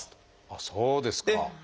ああそうですか！